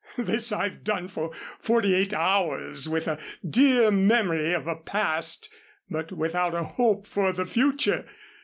This I've done for forty eight hours with a dear memory of a past but without a hope for the future.